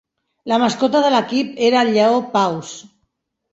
La mascota de l'equip era el lleó Paws.